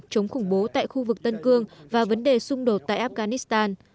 chống khủng bố tại khu vực tân cương và vấn đề xung đột tại afghanistan